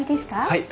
はい。